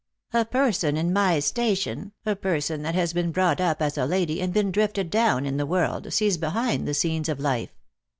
A person in my station, a person that has been brought up as a lady and been drifted down in the world, sees behind the scenes of life.